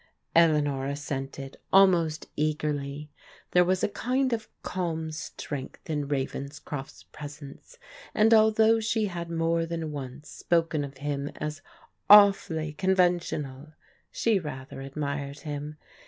Eleanor assented, almost eagerly. There was a kind of calm strength in Ravenscroft's presence, and although she had more than once spoken of him as " awfully con ventional," she rather admired him.